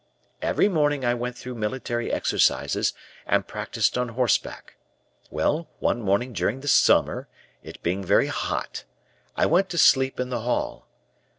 Every morning I went through military exercises, and practiced on horseback. Well, one morning during the summer, it being very hot, I went to sleep in the hall.